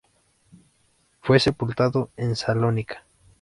Fue sepultado en Salónica.